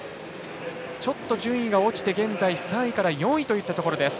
ちょっと順位が落ちて現在、３位から４位といったところ。